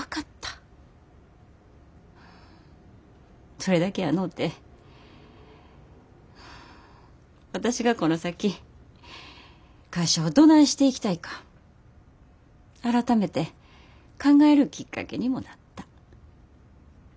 それだけやのうて私がこの先会社をどないしていきたいか改めて考えるきっかけにもなった。